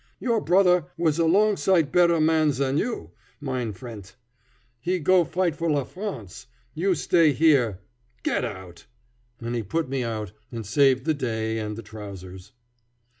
"Your brother vas a long sight better man zan you, mine frient. He go fight for la France. You stay here. Get out!" And he put me out, and saved the day and the trousers.